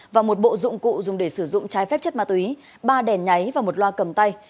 và một bộ dụng cụ dùng để sử dụng trái phép chất ma túy ba đèn nháy và một loa cầm tay